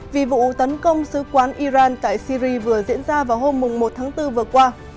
vì vụ tấn công sứ quán iran tại syri vừa diễn ra vào hôm một tháng bốn vừa qua